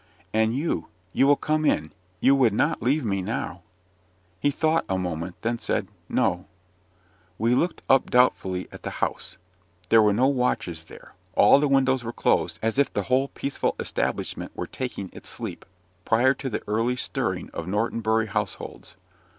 "And you. You will come in you would not leave me now?" He thought a moment then said, "No!" We looked up doubtfully at the house; there were no watchers there. All the windows were closed, as if the whole peaceful establishment were taking its sleep, prior to the early stirring of Norton Bury households.